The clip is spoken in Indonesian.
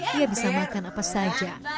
dia bisa makan apa saja